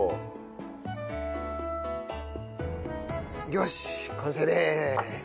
よし完成です。